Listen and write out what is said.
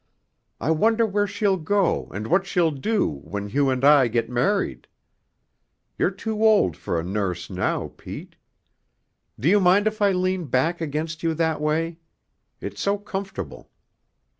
I wonder where she'll go and what she'll do when Hugh and I get married. You're too old for a nurse now, Pete. Do you mind if I lean back against you that way? It's so comfortable.